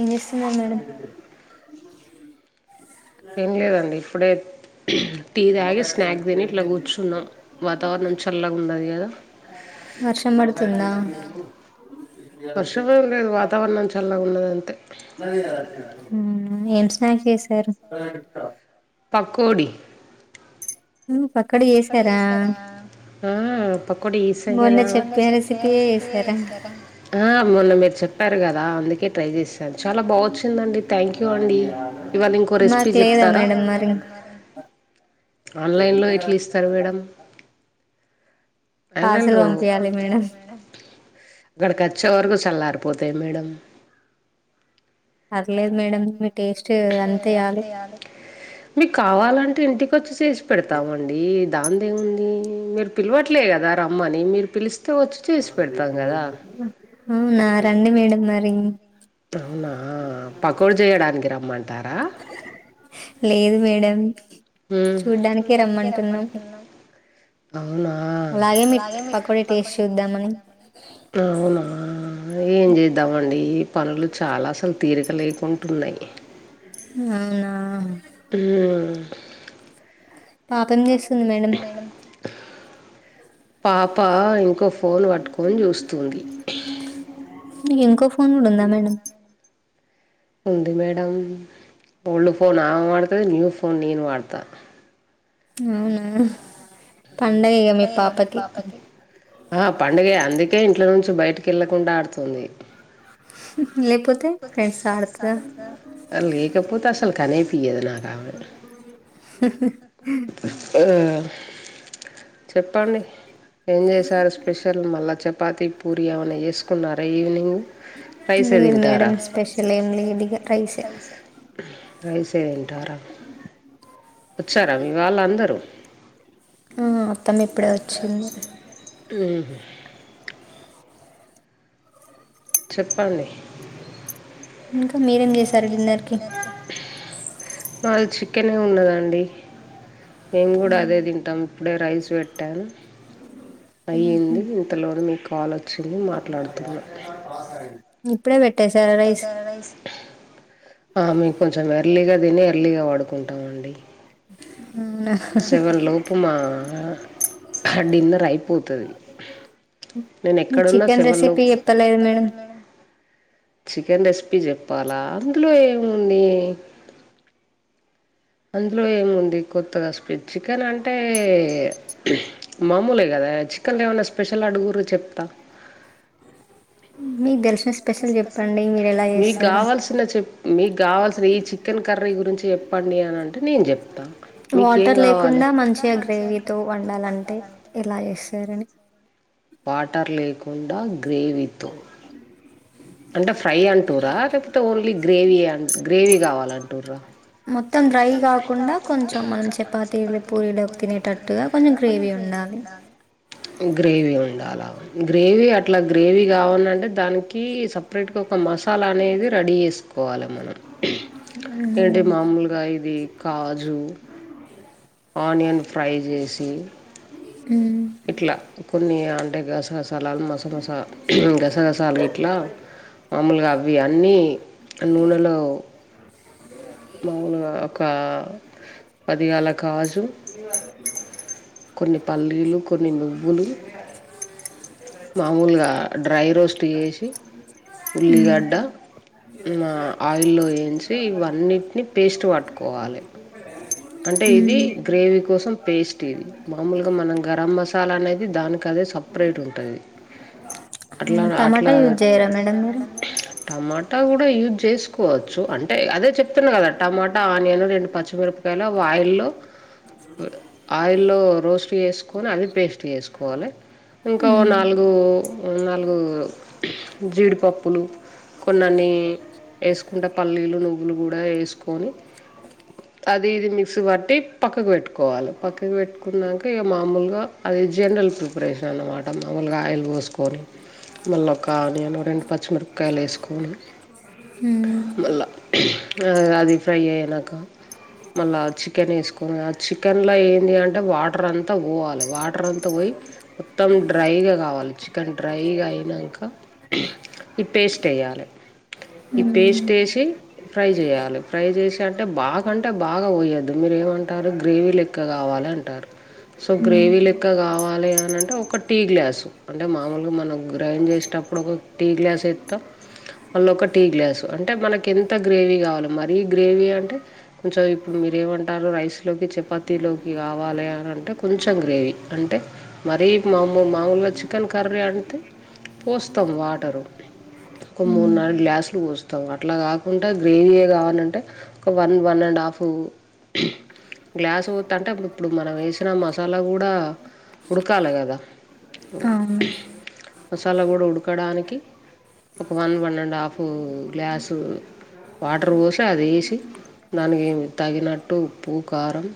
ఏం చేస్తున్నారు మేడం ఏం లేదండి ఇప్పుడే టీ తాగి స్నాక్స్ తిని ఇట్లా కూర్చున్నాం వాతావరణం చల్లగా ఉంన్నది కదా వర్షం పడుతుందా [inaudible] లేదు వాతావరణం చల్లగున్నది అంతే ఏం స్నాక్ చేసారు పకోడి [inaudible] ఆ పకోడీ చేశాను కదా [unintelligible] ఏస్తారా ఆ మొన్న మీరు చెప్పారు కదా అందుకే ట్రై చేశాను చాలా బాగొచ్చిందండి థ్యాంక్ యూ అండి ఇవాళ ఇంకో రెసిపీ చెప్తారా మరి ఆన్లైన్లో ఎట్లిస్తారు మేడమ్ ఆన్లైన్లో [inaudible] అక్కడకి వచ్చే వరకు చల్లారిపోతాయి మేడం పర్లేదు మేడం అంతే అది మీకు కావాలంటే ఇంటికి వచ్చి చేసి పెడతామండి దాందేముంది మీరు పిలవట్లేదు కదా రమ్మని మీరు పిలిస్తే వచ్చి చేసి పెడతాం కదా అవునా రండి మేడం మరి అవునా పకోడు చేయడానికి రమ్మంటారా లేదు మేడం హ్మ్ చూడ్డానినికి రమ్మంటున్నాం అవునా [inaudible] అవునా ఏం చేద్దామండి ఈ పనులు చాలా అసలు తీరకలేకుంటున్నాయి అవునా హుమ్ పాప ఏం చేస్తుంది మేడం పాప ఇంకో ఫోన్ పట్టుకొని చూస్తుంది మీకు ఇంకో ఫోన్ కూడా ఉందా మేడం ఉంది మేడం ఓల్డ్ ఫోన్ ఆమె వాడుతది న్యూ ఫోన్ నేను వాడతా అవునా పండగ ఇగ మీ పాపకి ఆ పండుగ అందుకే ఇంట్ల నుంచి బయటికి వెళ్ళకుండా ఆడుతుంది లేపో లేకపోతే అసలు కనేపియ్యదు ఆమె [unintelligible] [unintelligible] ఉమ్ చెప్పండి ఏం చేశారు స్పెష ల్ మళ్ళ చపాతి పూరి ఏమైనా చేసుకున్నారా ఈవినింగ్ రైసే తి టా [inaudible] రైసే తింటారా వచ్చారా మీ వాళ్ళందరు ఉ అత్తమ్మ ఇప్పుడే వచ్చింది ఉ చెప్పండి ఇంకా మీరేం చేసారు డిన్నర్ కి మాది చికెనే ఉన్నదండీ మేం కూడా అదే తింటాం ఇప్పుడే రైస్ పెట్టాను అయ్యింది ఇంతలోనే మీ కాల్ వచ్చింది మాట్లాడుతున్నాను ఇప్పుడే పెట్టేసారా రైస్ ఆ మేము కొంచెం ఎర్లీగా తిని ఎర్లీగా పడుకుంటాం అండి అవునా సెవెన్ లోపు మా డిన్నర్ అయిపోతది నేను ఎక్కడన్నా సెవెన్లోపు చికెన్ రెసిపీ చెప్పాలా అందులో ఏముంది అందులో ఏముంది కొత్త రెసిపీ చికెన్ అంటే మామూలే కదా చికెన్ ఏమైనా స్పెషల్ అడుగురు చెప్తా మీ తెలు మీకు కావాల్సినది చెప్ప మీకు కావాల్సిన ఈ చికెన్ కర్రీ గురించి చెప్పండి అని అంటే నేను చెప్తా వాటర్ లేకుండా మంచిగా గ్రేవీతో వండాలంటే ఎలా చేస్తరని వాటర్ లేకుండా గ్రేవీతో అ అంటే ఫ్రై అంటుర్ర లేకపోతే ఓన్లీ గ్రేవీ గ్రేవీ కావాలంటుర్ర మొత్తం డ్రై కాకుండా కొంచెం మనం చపాతీలు పూరీలో తినేటట్టుగా గా కొంచెం గ్రేవి ఉండాలి గ్రేవీ ఉండాల గ్రేవీ అట్లా గ్రేవీ కావాలంటే దానికి సెపరేటుగా ఒక మసాలా అనేది రెడీ చేసుకోవాలె మనం ఏంటి మామూలుగా ఇది కాజు ఆనియన్ ఫ్రై చేసి ఉమ్ ఇట్లా కొన్ని అంటే గసగసా లు మస మస గసగసాలు ఇట్లా మాముూలుగా అవి అన్నీ ఆ నూనెలో మాములుగా ఒక పదిగల కాజు కొన్ని పల్లీలు కొన్ని నువ్వులు మామూలుగా డ్రై రోస్ట్ చేసి ఉల్లిగడ్డ ఇంగ ఆయిల్లో వేయించి ఇవన్నిటిని పేస్ట్ పట్టుకోవాలి అంటే ఇది గ్రేవీ కోసం పేస్ట్ ఇది మామూలుగా మనం గరం మసాలా అనేది దానికి అదే సపరేట్ ఉంటుంది అట్లా అట్లాగా టమాటా కూడా యూజ్ చేసుకోవచ్చు అంటే అదే చెప్తున్నా కదా టమాటా టా ఆనియన్ రెండు పచ్చిమిరపకాయలు అవి ఆయిల్లో ఆయిల్లో రోస్ట్ కొని అది పేస్ట్ చేసుకోవాలె ఇంకొక నాలుగు నాలుగు జీడిపప్పులు కొన్నన్ని వేసుకుంటే పల్లీలు నువ్వులు కూడా వేసుకొని అది ఇది మిక్సీ పట్టి పక్కకు పెట్టుకోవాలి పక్కకు పెట్టుకున్నాక ఇక మామూలుగా అది జనరల్ ప్రిపరేషన్ అన్నమాట మామూలుగా ఆయిల్ పోసుకొని మళ్ళీ ఒక నేను రెండు పచ్చిమిరపకాయలు వేసుకొని మళ్ళ అది ఫ్రై అయినాక మళ్ళా చికెనేసుకొని ఆ చికెన్ల ఏంది అంటే వాటర్ అంత వోవాలే వాటర్ అంత పోయి మొత్తం డ్రైగ గావాలే చికెన్ కానీ డ్రైగా అయినంక ఈ పేస్ట్ ఏయాలే ఈ పేస్ట్ ఏసి ఫ్రై జేయాలే ఫ్రై జేసంటే బాగంన్ అంటే బాగ వొయ్యెద్దు మీరేమంటారు గ్రేవీ లెక్క కావాలే అంటారు సో గ్రేవీ లెక్ క్క గావాలి అని అంటే ఒక టీ గ్లాసు అంటే మామూలుగ మనం గ్రైండ్ చేస్టప్పుడు ఒక టీ గ్లాస్ ఎత్తం మళ్ళొక టీ గ్లాసు అంటే మనకెంత గ్రేవీ గావాలో మరీ గ్రేవీ అంటే కొంచెం ఇప్పుడు మీరేమంటారు రైస్లోకి చపాతీలోకి కావాలేనంటే కొంచెం గ్రేవీ అంటే మరీ మామూ మాముూలుగ చికెన్ కర్రీ అంటే పోస్తాం వాటరు ఒక మూడ్ నాల్గ్ గ్లాసులు పోస్తవు అట్ల కాకుండ గ్రేవీయే కావాలంటే ఒక వన్ వన్నండాఫ్ ఆఫ్ గ్లాసు వోత్తంటప్పుడు ఇప్పుడు మనం ఏశిన మసాలా గూడా ఉడుకాల గదా మసాలా గుడు ఉడకడానికి ఒక వన్ వన్నండాఫు గ్లాసు వాటర్ బోసి అదేశి దానికి తగినట్టు ఉప్పు కారం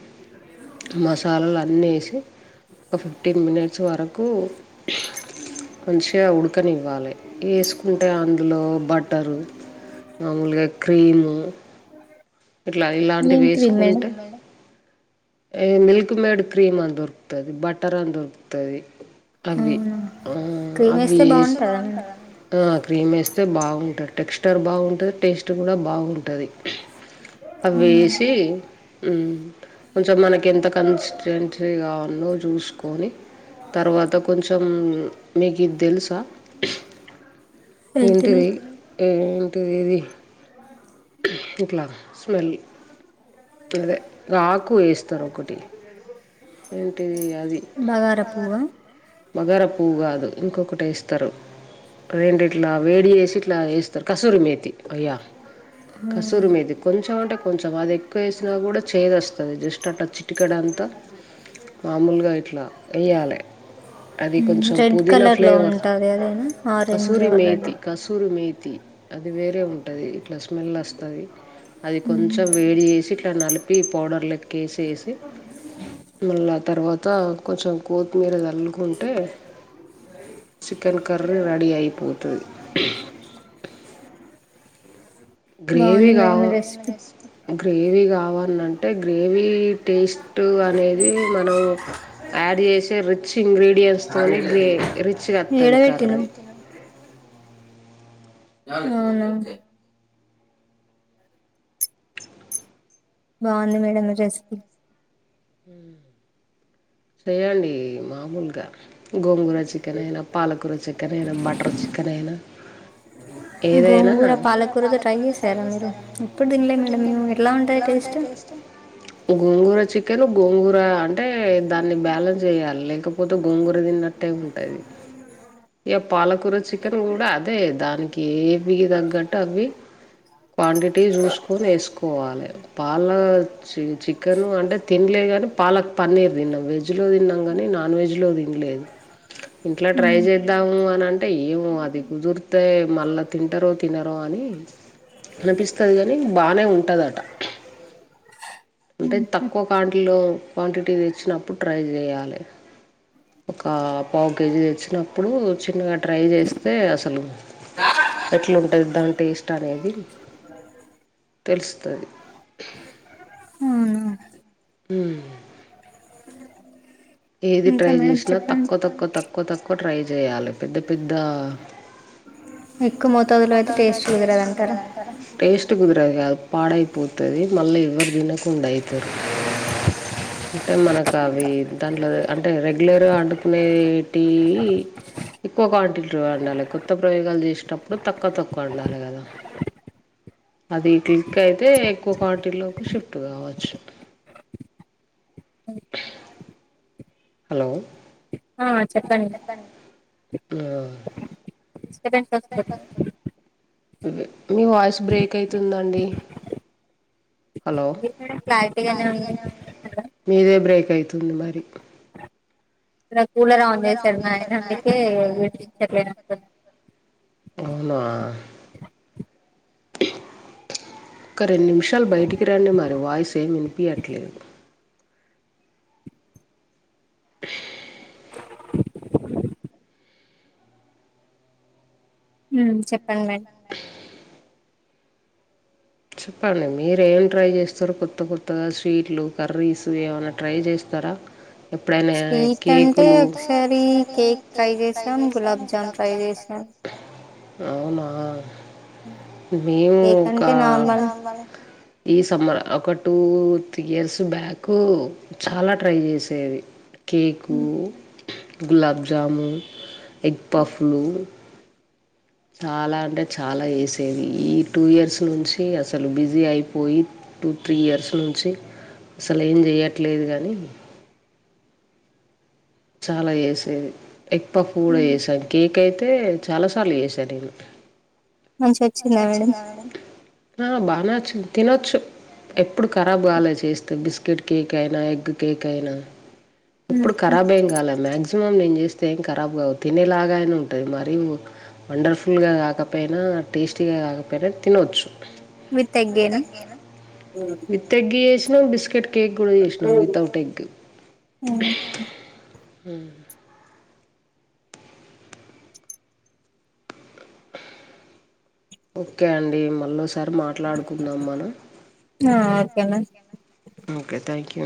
మసాలాలన్నీ ఏసి ఒక ఫిఫ్టీన్ మినెట్స్ వరకు ఉహ్మ్ మంచిగ ఉడకనివ్వాలి ఏసుకుంటే అందులో బట్టరు మాములుగ క్రీము ఇట్ల ఇలాంటివి ఎస్కుంటే ఏ మిల్క్ మేడ్ క్రీమ్ అన్దొరుక్తది బట్టర్ అని దొరుక్తది అవి ఆ అవి ఏసి ఆ క్రీమేస్తే బాగుంటది టెక్స్చర్ బాగుంటది టేస్ట్ గూడ బాగుంటది అవ్వేసి ఉమ్ కొంచెం మనకెంత కన్సిస్టెన్సీ గావల్న్నో జూస్కొని తర్వాత కొంచెం మీకిద్దెలుసా ఉహ్మ్ ఏంటిది ఏంటిదిది ఉహ్మ్ ఇట్లా స్మెల్ గదే ఆకు ఏస్తరు ఒకటి ఏంటిది అది బగార పువ్వు గాదు ఇంకొకటేస్తరు అదేందిట్ల వేడి జేసి ఇట్లా ఏస్తరు కసూరి మేతి యా కసూరు మేతి కొంచెం అంటే కొంచెం అదెక్కు వేసిన గూడా చేదొస్తది జస్ట్ అట్లా చిటికడంతా మామూలుగా ఇట్ల ఏయాలే అది కొంచెం పుదీనా ఫ్లేవర్ కసూరి మేతి కసూరి మేతి అది వేరే ఉంటది ఇట్ల స్మెల్ వస్తది అది కొంచెం వేడి జేసి ఇట్ల నలిపి పౌడర్లెక్కేసేసి మళ్ళా తర్వాత కొంచెం కోత్తిమీర జల్లుకుంటే చికెన్ కర్రీ రెడీ అయిపోతది ఉహ్మ్ గ్రేవీ కావల్ గ్రేవీ గావాలంటే గ్రేవీ టేస్ట్ అనేది మనం ఆడ్ చేశే రిచ్ ఇంగ్రీడియంట్స్ తోనీ గ్రే రిచ్గత్తది కర్రీ అవునా బాగుంది మేడం మీ రెస్పీ ఉమ్ చెయ్యండి మామూల్గ గోంగూర చికెన్ అయిన పాలకూర చికెన్ అయిన బటర్ చికెన్ అయిన ఏదైనా గోంగూర చికెను గోంగూర అంటే దాన్ని బ్యాలెన్స్ చేయాలి లేకపోతే గొంగుర తిన్నట్టే ఉంటది ఇక పాలకూర చికెన్ కూడా అదే దానికి ఏవి తగ్గట్టు అవి క్వాంటిటీ చూసుకొని వేసుకోవాలి పాల చికెన్ అంటే తినలే కాని పాలకు పన్నీర్ తిన్నాము వెజ్ లో తిన్నాం కానీ నాన్ వెజ్ లో తినలేదు అట్లా ట్రై చేద్దాము అని అంటే ఏమో అది కుదిరితే మళ్ళా తింటరో తినరో అని అనిపిస్తది కానీ బాగానే ఉంటుందట అంటే తక్కువ క్వాంటిటీలో క్వాంటిటీ తెచ్చినప్పుడు ట్రై చేయాలే ఒక పావు కేజీ తెచ్చినప్పుడు చిన్నగా డ్రై చేస్తే అసలు ఎట్లాంటది దాని టేస్ట్ అనేది అ తెలుస్తది అవును హ ఏది ట్రై చేసినా తక్కువ తక్కువ తక్కువ తక్కువ ట్రై చేయాలి పెద్ద పెద్ద ఎక్కువ మోతాదులో అయితే టేస్ట్ కుదిదరదంటారు టేస్ట్ కుదిరదు పాడైపోతది మళ్ళీ ఎవరు తినకుండా అవుతారు అంటే మనకు అవి దాంట్లో అంటే రెగ్యులర్గా వండుకునేటి ఎక్కువ క్వాంటిటీ వండాలి కొత్త ప్రయోగాలు చేసినప్పుడు తక్కువ తక్కువ వండాలి కదా అది క్లిక్ అయితే ఎక్కువ క్వాలిటీ లోకి షిఫ్ట్ కావచ్చు హలో ఆ ఆ కదస్త [unintelligible] మీ వాయిస్ బ్రేక్ అయితుందండి క్లారిటీగానే ఉంది మీదే బ్రేక్ అవుతుంది మరి ఇక్కడ కూలర్ ఆన్ చేశాడు మా ఆయన అందుకే విడిపించట్లేదు అవునా ఒక రెండు నిమిషాలు బయటికి రండి మరి వాయిస్ ఏమి వినిపియట్లేదు ఉమ్మ్ చెప్పండి చెప్పండి మీరు ఏం ట్రై చేస్తారు కొత్త కొత్తగా స్వీట్లు కర్రీస్ ఏమైనా ట్రై చేస్తారా ఎప్పుడైనా కేకులు అవునా మేముకా ఈ సమ్మర్ ఒక టూ త్రీ ఇయర్స్ బ్యాకు చాలా ట్రై చేసేది కేకు గులాబ్జాము ఎగ్ పఫ్లు చాలా అంటే చాలా వేసేది ఈ టూ ఇయర్స్ నుంచి అసలు బిజీ అయిపోయి టూ త్రీ ఇయర్స్ నుంచి అసలు ఏం చేయట్లేదు కానీ చాలా చేసేది ఎగ్ పఫ్ కూడా చేసాను కేక్ అయితే చాలా సార్లు చేసా నేను మస్తోచ్చిందా మేడమ్ ఆ బానే వచ్చింది తినొచ్చు ఎప్పుడు కరాబ్ కాలే చేస్తే బిస్కెట్ కేక్ అయినా ఎగ్ కేక్ అయినా ఎప్పుడు కరాబ్ ఏం కాలే మాక్సిమం నేను చేస్తే ఏం కరాబ్ కావు తినేలాగా అయినా ఉంటది మరి వండర్ఫుల్గా కాకపోయినా టేస్టీగా కాకపోయినా తినొచ్చు విత్ ఎగ్ఏనా విత్ ఎగ్ చేసినా బిస్కెట్ కేక్ కూడా చేసినా వితౌట్ ఎగ్ హ ఓకే అండి మాల్లోసారి మాట్లాడుకుందాం మనం ఆ ఓకే మేడమ్ ఓకే థ్యాంక్యూ